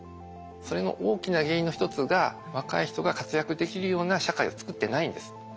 それの大きな原因の一つが若い人が活躍できるような社会を作ってないんです。